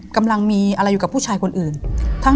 กำลังมีอะไรอยู่กับผู้ชายคนอื่น